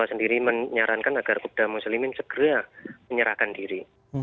sendiri menyarankan agar kopda muslimin segera menyerahkan diri